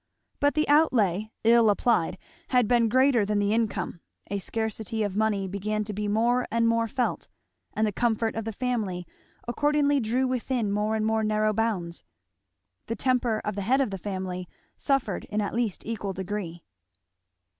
But the outlay, ill applied, had been greater than the income; a scarcity of money began to be more and more felt; and the comfort of the family accordingly drew within more and more narrow bounds. The temper of the head of the family suffered in at least equal degree.